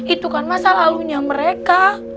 itu kan masa lalunya mereka